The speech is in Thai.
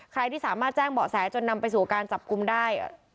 ที่สามารถแจ้งเบาะแสจนนำไปสู่การจับกลุ่มได้